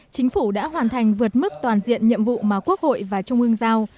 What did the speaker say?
chính phủ đã hoàn thành vượt mức toàn diện nhiệm vụ mà quốc hội và trung ương giao